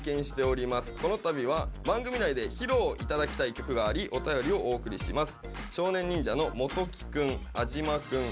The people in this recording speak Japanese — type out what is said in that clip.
このたびは番組内で披露頂きたい曲がありお便りをお送りします」。